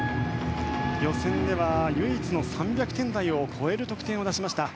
予選では唯一の３００点台を超える得点を出しました。